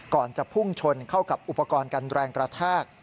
ก่อนจะพุ่งชนเข้ากับอุปกรณ์กันแรงกระแทก